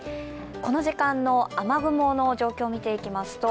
この時間の雨雲の状況を見ていきますと